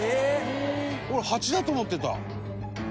「俺ハチだと思ってた！」